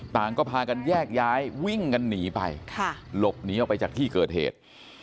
ต่างก็พากันแยกย้ายวิ่งกันหนีไปหลบหนีออกไปจากที่เกิดเหตุ